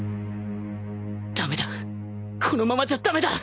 駄目だこのままじゃ駄目だ